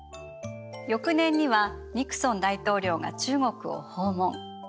翌年にはニクソン大統領が中国を訪問。